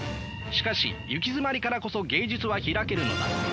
しかしゆきづまりからこそ芸術は開けるのだ。